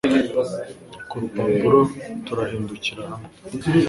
Kurupapuro turahindukira hamwe